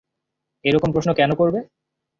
এরকম প্রশ্ন কেন করবে?